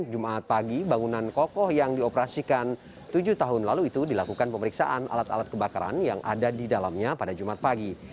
jumat pagi bangunan kokoh yang dioperasikan tujuh tahun lalu itu dilakukan pemeriksaan alat alat kebakaran yang ada di dalamnya pada jumat pagi